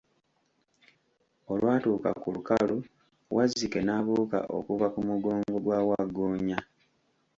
Olwatuuka ku lukalu, Waziike n'abuuka okuva ku mugongo gwa Wagggoonya.